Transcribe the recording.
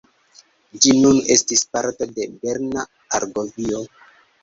Ĝi nun estis parto de Berna Argovio.